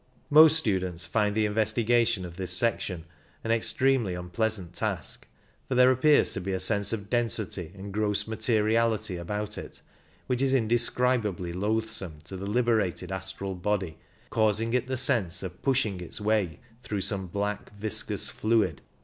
Most students find the investigation of this section an extremely unpleasant task, for there appears to be a sense of density and gross materiality about it which is indescrib ably loathsome to the liberated astral body, causing it the sense of pushing its way through some black, viscous fluid.